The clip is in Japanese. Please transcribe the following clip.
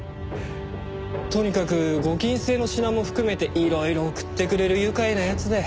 とにかくご禁制の品も含めていろいろ送ってくれる愉快な奴で。